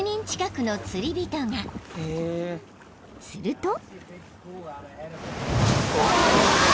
［すると］